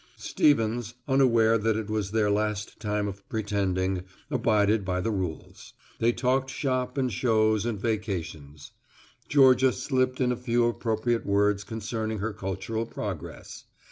Stevens, unaware that it was their last time of pretending, abided by the rules. They talked shop and shows and vacations. Georgia slipped in a few appropriate words concerning her cultural progress.